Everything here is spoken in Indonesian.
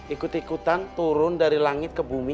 ikut ikutan turun dari langit ke bumi